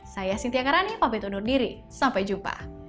saya sintiakarani pamit undur diri sampai jumpa